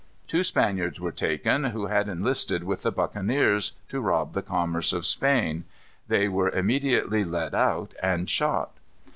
Two Spaniards were taken who had enlisted with the buccaneers, to rob the commerce of Spain. They were immediately led out and shot.